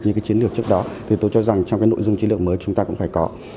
những cái chiến lược trước đó thì tôi cho rằng trong cái nội dung chiến lược mới chúng ta cũng phải có